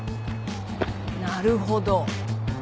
なるほど。